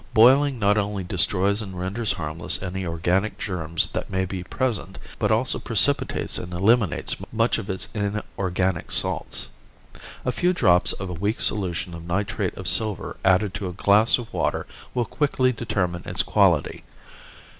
Boiling not only destroys and renders harmless any organic germs that may be present, but also precipitates and eliminates much of its inorganic salts. A few drops of a weak solution of nitrate of silver added to a glass of water will quickly determine its quality.